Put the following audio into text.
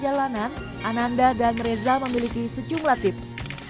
perjalanan ananda dan reza memiliki sejumlah tips